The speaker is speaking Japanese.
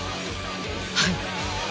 はい。